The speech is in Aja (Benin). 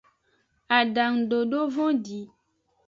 Adangudodo vondi.